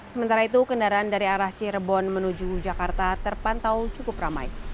sementara itu kendaraan dari arah cirebon menuju jakarta terpantau cukup ramai